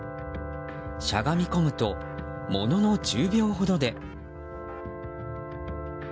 しゃがみ込むとものの１０秒ほどで。